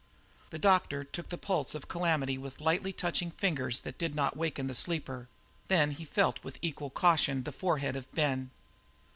The doctor took the pulse of Calamity with lightly touching fingers that did not waken the sleeper; then he felt with equal caution the forehead of Ben.